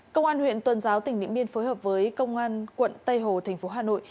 công an huyện tuần giáo tỉnh nị miên phối hợp với công an quận tây hồ tp hà nội